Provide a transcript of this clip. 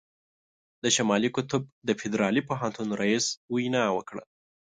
د شمالي قطب د فدرالي پوهنتون رييس وینا وکړه.